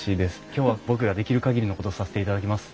今日は僕ができる限りのことをさせていただきます。